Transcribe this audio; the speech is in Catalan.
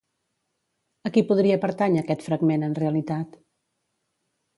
A qui podria pertànyer aquest fragment en realitat?